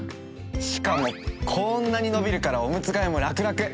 しかもこんなにのびるからおむつ替えもラクラク！